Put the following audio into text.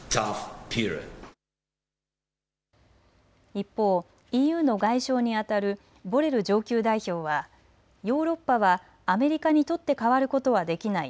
一方、ＥＵの外相にあたるボレル上級代表はヨーロッパはアメリカに取って代わることはできない。